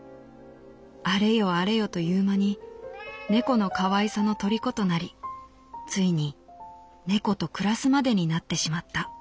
あれよあれよという間に猫の可愛さのとりことなり遂に猫と暮らすまでになってしまった」。